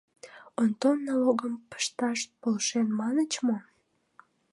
Онтон налогым пышташ полшен маньыч мо?